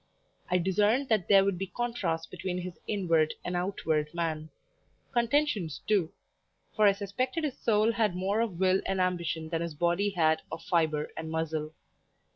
I discerned that there would be contrasts between his inward and outward man; contentions, too; for I suspected his soul had more of will and ambition than his body had of fibre and muscle.